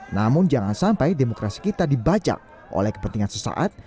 dan sampai demokrasi kita dibajak oleh kepentingan sesaat